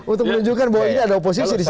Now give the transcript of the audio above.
untuk menunjukkan bahwa ini ada oposisi